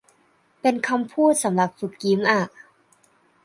เป็นคำพูดสำหรับฝึกยิ้มอ่ะ